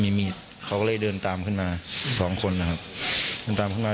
มีมีดเขาก็เลยเดินตามขึ้นมาสองคนนะครับเดินตามขึ้นมา